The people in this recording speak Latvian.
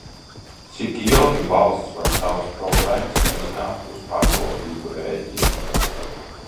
Cik ilgi valsts var savas problēmas risināt uz pašvaldību rēķina?